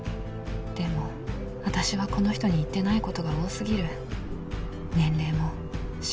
でも私はこの人に言ってないことが多すぎる。